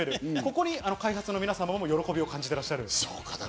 ここに開発の皆さんも喜びを感じていらっしゃる。